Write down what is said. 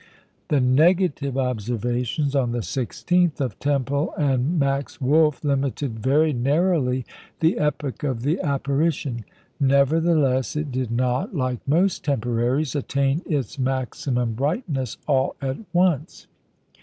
The negative observations, on the 16th, of Tempel and Max Wolf, limited very narrowly the epoch of the apparition. Nevertheless, it did not, like most temporaries, attain its maximum brightness all at once.